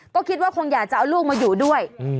ก็คิดว่าคงอยากจะเอาลูกมาอยู่ด้วย